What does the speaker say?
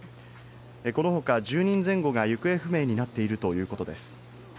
この他１０人前後が行方不明になっているということです。